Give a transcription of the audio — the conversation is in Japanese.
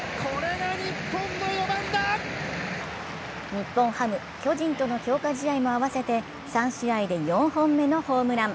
日本ハム、巨人との強化試合も合わせて３試合で４本目のホームラン。